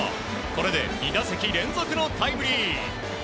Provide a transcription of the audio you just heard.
これで２打席連続のタイムリー。